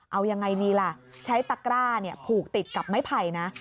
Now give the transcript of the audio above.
เอายังไงดีล่ะใช้ตะกร้าผูกติดกับไม้ไผ่นะ